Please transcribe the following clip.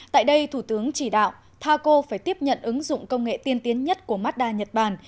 tại đây thủ tướng chỉ đạo taco phải tiếp nhận ứng dụng công nghệ tiên tiến nhất của mazda nhật bản